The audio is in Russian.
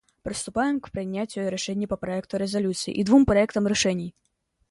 Приступаем к принятию решения по проекту резолюции и двум проектам решений.